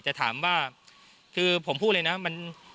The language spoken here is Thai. จะถามว่าคือผมพูดเลยนะ